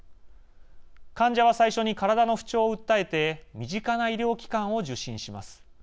患者は最初に、体の不調を訴えて身近な医療機関を受診します。